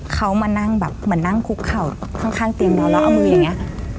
เขามานั่งแบบเหมือนนั่งคุกเข่าข้างเตียงนอนแล้วเอามืออย่างนี้